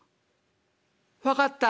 「分かったあ。